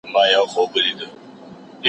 زه به سبا کتابتون ته راځم وم،